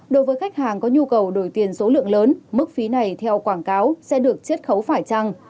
đối với khách hàng có nhu cầu đổi tiền số lượng lớn mức phí này theo quảng cáo sẽ được chiết khấu phải trăng